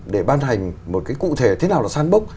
để ban hành một cái cụ thể thế nào là san bốc